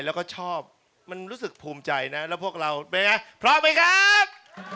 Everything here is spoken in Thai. แล้วก็ชอบมันรู้สึกภูมิใจนะแล้วพวกเราเป็นไงพร้อมไหมครับ